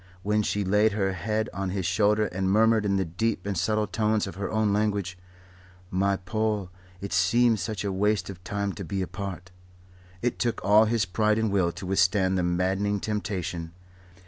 When she laid her head on his shoulder and murmured in the deep and subtle tones of her own language: "My Paul, it seems such a waste of time to be apart," it took all his pride and will to withstand the maddening temptation.